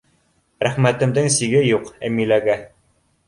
Рәхмәтемдең сиге юҡ Әмиләгә.